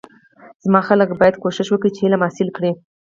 زما خلک باید کوشش وکړی چی علم حاصل کړی